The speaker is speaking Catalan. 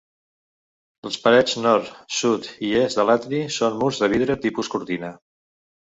Les parets nord, sud i est de l'atri són murs de vidre tipus cortina.